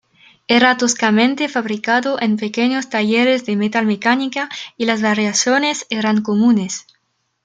Era toscamente fabricado en pequeños talleres de metal-mecánica y las variaciones eran comunes.